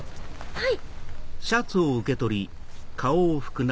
はい！